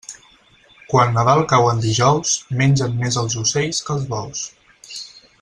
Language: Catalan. Quan Nadal cau en dijous, mengen més els ocells que els bous.